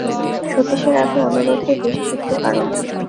সতীশের এত অনুরোধের বিশেষ একটু কারণ ছিল।